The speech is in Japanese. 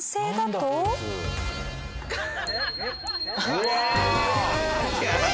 うわ！